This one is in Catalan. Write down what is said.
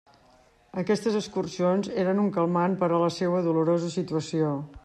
Aquestes excursions eren un calmant per a la seua dolorosa situació.